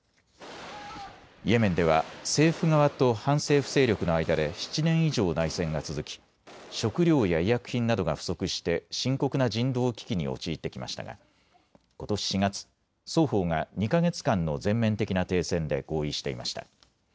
イエメンでは政府側と反政府勢力の間で７年以上内戦が続き、食糧や医薬品などが不足して深刻な人道危機に陥ってきましたがことし４月、双方が２か月間の全面的な停戦で合意していました。